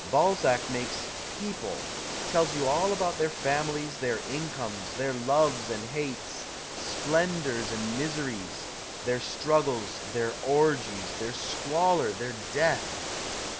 Balzac makes " people," tells you all about their families, their incomes, their loves and hates, " splendours and miseries," their struggles, their orgies, their squalor, their death.